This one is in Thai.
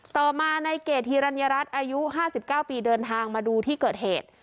ต่อมาในเกดฮิรัญรัฐอายุ๕๙ปีเดินทางมาดูที่เกิดเหตุ